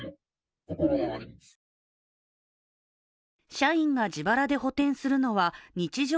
社員が自腹で補填するのは日常